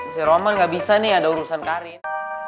si roman gabisa nih ada urusan karin